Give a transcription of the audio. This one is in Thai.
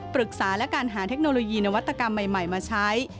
ปรึกษาและการหาเทคโนโลยีนวัตกรรมใหม่มาใช้